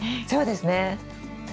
そうですね。